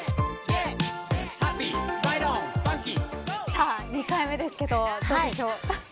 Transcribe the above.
さあ２回目ですけどどうでしょう。